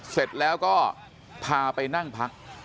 เสร็จแล้วก็พาไปนั่งพัก